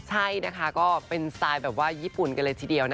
ใช่นะคะก็เป็นสไตล์ญี่ปุ่นกันเลยทีเดียวนะคะ